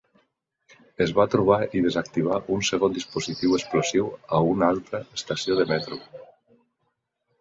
Es va trobar i desactivar un segon dispositiu explosiu a una altra estació de metro.